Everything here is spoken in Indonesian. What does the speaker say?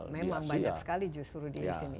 memang banyak sekali justru di sini